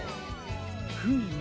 フーム。